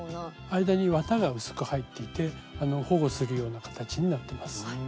間に綿が薄く入っていて保護するような形になってます。